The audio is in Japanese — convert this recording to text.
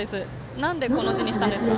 なんでこの字にしたんですか？